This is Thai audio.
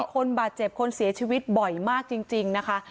คนบาดเจ็บคนเสียชีวิตบ่อยมากจริงนะคะ